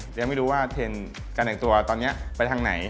ยังไม่รู้ว่าเทรนด์การแต่งตัวตอนนี้ไปทางไหน